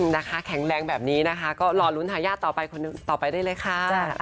นะคะแข็งแรงแบบนี้นะคะก็รอลุ้นทายาทต่อไปคนต่อไปได้เลยค่ะ